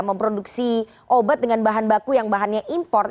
memproduksi obat dengan bahan baku yang bahannya impor